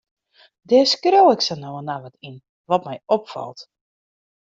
Dêr skriuw ik sa no en dan wat yn, wat my opfalt.